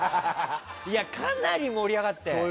かなり盛り上がって。